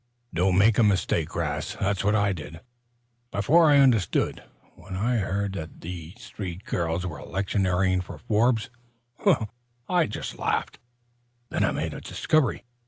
"Don't make a mistake, 'Rast. That's what I did, before I understood. When I heard that three girls were electioneering for Forbes I just laughed. Then I made a discovery.